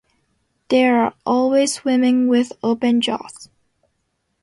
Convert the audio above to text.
They are always swimming with open jaws.